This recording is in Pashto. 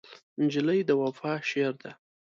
نجلۍ د وفا شعر ده.